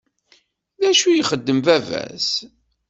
D acu ixeddem baba-s?